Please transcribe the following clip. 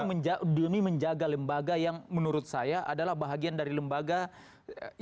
itu demi menjaga lembaga yang menurut saya adalah bahagian dari lembaga yang dibentukkan